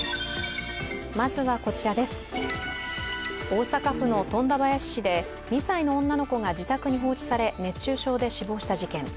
大阪府の富田林市で２歳の女の子が自宅に放置され熱中症で死亡した事件。